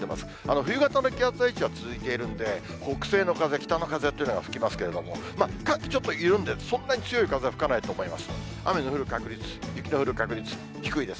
冬型の気圧配置は続いているんで、北西の風、北の風っていうのが吹きますけれども、寒気ちょっと緩んで、そんなに強い風は吹かないと思います。